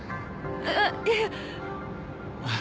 あっいえ。